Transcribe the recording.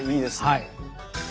はい。